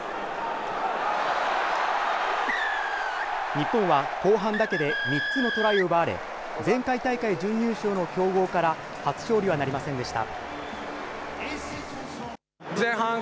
日本は後半だけで３つのトライを奪われ、前回大会準優勝の強豪から、初勝利はなりませんでした。